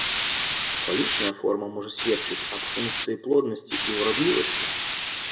Фалічная форма можа сведчыць аб функцыі плоднасці і ўрадлівасці.